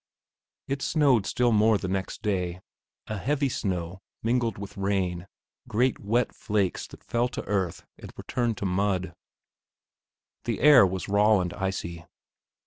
It snowed still more the next day, a heavy snow mingled with rain; great wet flakes that fell to earth and were turned to mud. The air was raw and icy.